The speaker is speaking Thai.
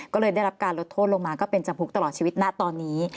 ก็เลยได้รับการลดโทษลงมาก็เป็นจำคุกตลอดชีวิตนะตอนนี้